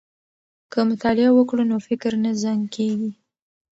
که مطالعه وکړو نو فکر نه زنګ کیږي.